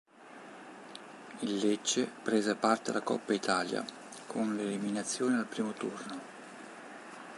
Il Lecce prese parte alla Coppa Italia, con l'eliminazione al primo turno.